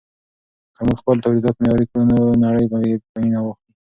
که موږ خپل تولیدات معیاري کړو نو نړۍ به یې په مینه واخلي.